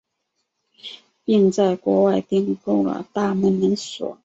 并在国外订购了大门门锁。